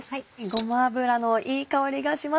ごま油のいい香りがします。